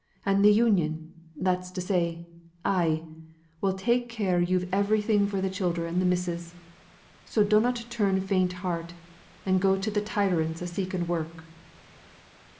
An' the Union that's to say, I will take care yo've enough for th' childer and th' missus. So dunnot turn faint heart, and go to th' tyrants a seeking work."